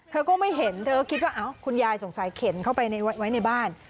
เธอก็ไม่เห็นเธอก็คิดว่าคุณยายสงสัยเข็นเข้าไปไว้ในบ้าน